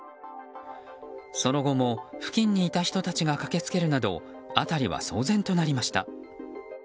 その後も、付近にいた人たちが駆けつけるなど辺りは騒然となりました。